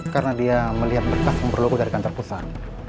karena dia melihat berkas yang berlaku dari kantor pusat